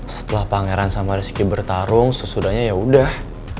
setelah pangeran sama rezeki bertarung sesudahnya yaudah